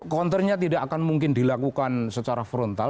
counternya tidak akan mungkin dilakukan secara frontal